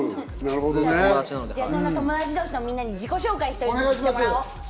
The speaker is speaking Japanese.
そんな友達同士のみんなに自己紹介してもらおう！